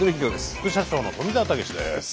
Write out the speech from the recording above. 副社長の富澤たけしです。